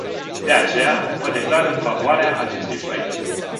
De aceea, mă declar în favoarea acestui proiect.